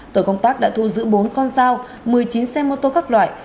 tổ công tác đã thu giữ bốn con dao một mươi chín xe mô tô các loại